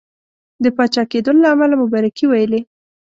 د پاچا کېدلو له امله مبارکي ویلې.